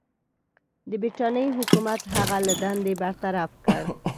د برټانیې حکومت هغه له دندې برطرفه کړ.